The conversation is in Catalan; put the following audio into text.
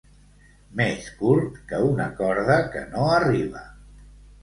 Més curt que una corda que no arriba.